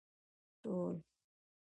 ټول